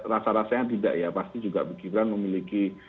rasa rasanya tidak ya pasti juga gibran memiliki